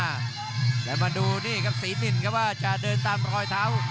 แล้วเรามาดูซีนินจะเดินตามรอยเท้า